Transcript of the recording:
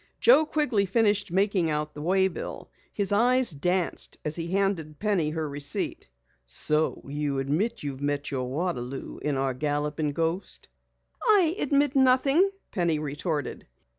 Joe Quigley finished making out the way bill. His eyes danced as he handed Penny her receipt. "So you admit that you've met your Waterloo in our Galloping Ghost?" "I admit nothing," Penny retorted.